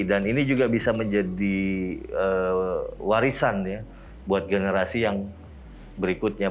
dan ini juga bisa menjadi warisan ya buat generasi yang berikutnya